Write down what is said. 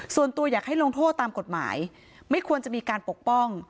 ส่วนตัวอยากให้ลงโทษตามกฎหมายไม่ควรจะมีการปกป้อง